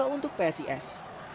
empat tiga untuk psis